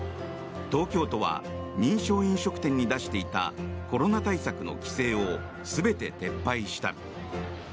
東京都は認証飲食店に出していたコロナ対策の規制を全て撤廃した。